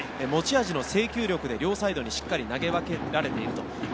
持ち味の制球力で両サイドにしっかり投げ分けられている。